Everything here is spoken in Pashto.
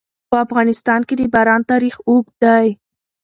په افغانستان کې د باران تاریخ اوږد دی.